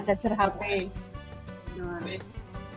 khusus dulu untuk kakak